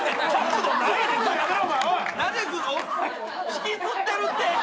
ひきずってるって！